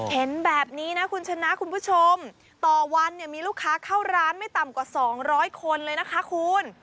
เห็นแบบนี้นะคุณชนะคุณผู้ชมต่อวันเนี่ยมีลูกค้าเข้าร้านไม่ต่ำกว่า๒๐๐คนเลยนะคะคุณ